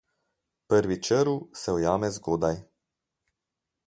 Prvi črv se ujame zgodaj.